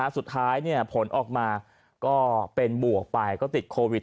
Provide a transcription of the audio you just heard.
สุดท้ายผลออกมาก็เป็นบวกไปก็ติดโควิด